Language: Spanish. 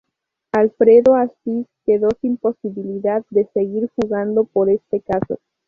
Alfredo Astiz quedó sin posibilidad de ser juzgado por este caso.